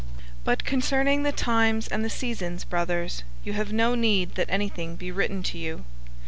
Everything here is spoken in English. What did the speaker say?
005:001 But concerning the times and the seasons, brothers, you have no need that anything be written to you.